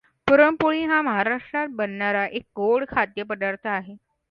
पुरणपोळी हा महाराष्ट्रात बनणारा एक गोड खाद्यपदार्थ आहे.